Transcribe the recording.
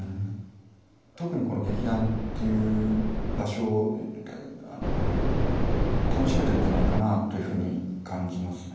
特にこの劇団という場所を楽しめてるんじゃないかなというふうに感じますね。